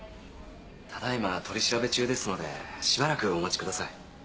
ただいま取り調べ中ですのでしばらくお待ちください。